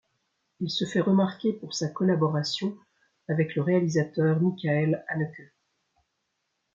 Il se fait remarquer pour sa collaboration avec le réalisateur Michael Haneke.